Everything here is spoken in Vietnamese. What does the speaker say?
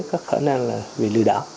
có khả năng là lừa đảo